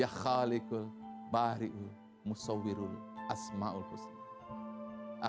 ya khaliqul bari'ul musawwirul asma'ul husna